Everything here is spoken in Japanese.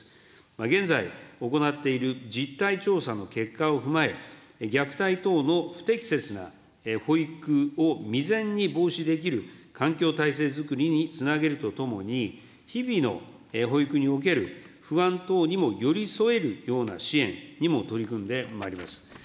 現在、行っている実態調査の結果を踏まえ、虐待等の不適切な保育を未然に防止できる環境体制づくりにつなげるとともに、日々の保育における不安等にも寄り添えるような支援にも取り組んでまいります。